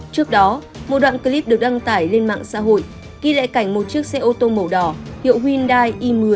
trước đó một đoạn clip được đăng tải lên mạng xã hội ghi lại cảnh một chiếc xe ô tô màu đỏ hiệu hyundai i một mươi